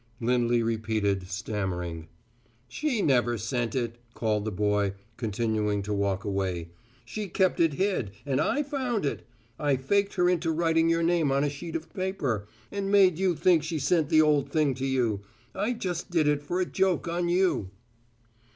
Lindley repeated, stammering. "She never sent it," called the boy, continuing to walk away. "She kept it hid, and I found it. I faked her into writing your name on a sheet of paper, and made you think she'd sent the old thing to you. I just did it for a joke on you."